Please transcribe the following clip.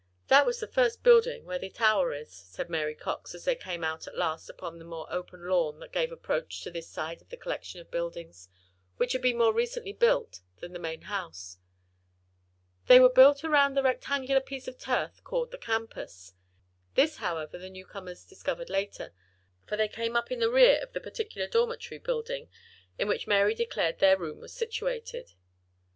That was the first building where the tower is," said Mary Cox, as they came out at last upon the more open lawn that gave approach to this side of the collection of buildings, which had been more recently built than the main house. They were built around a rectangular piece of turf called the campus. This, however, the newcomers discovered later, for they came up in the rear of the particular dormitory building in which Mary declared their room was situated.